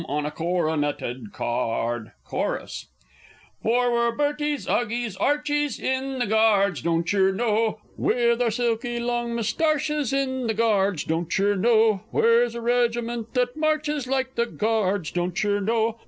on a coronetted card! Chorus. For we're "Berties," "'Ughies," "Archies," In the Guards! Doncher know? With our silky long moustarches, In the Guards! Doncher know? Where's a regiment that marches Like the Guards? Doncher know?